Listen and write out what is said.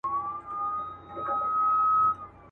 بس ور پاته دا یو نوم یو زوړ ټغر دی.